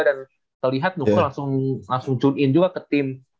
dan terlihat nuka langsung turn in juga ke tim